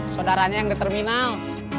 saudaranya yang ke terminal